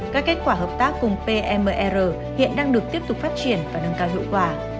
các kết quả hợp tác cùng pmr hiện đang được tiếp tục phát triển và nâng cao hiệu quả